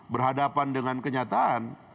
berhadapan dengan kenyataan